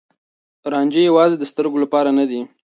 رانجه يوازې د سترګو لپاره نه دی.